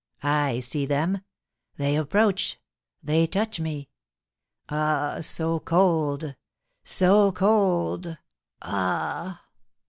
I see them; they approach; they touch me. Ah, so cold, so cold! Ah!"